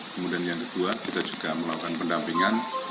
kemudian yang kedua kita juga melakukan pendampingan